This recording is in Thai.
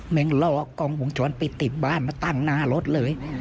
มันร่อคลองหวงสวนไปติดบ้านมาตั้งหน้ารถเลย